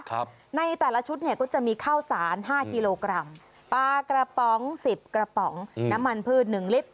ครับในแต่ละชุดเนี่ยก็จะมีข้าวสารห้ากิโลกรัมปลากระป๋องสิบกระป๋องอืมน้ำมันพืชหนึ่งลิตร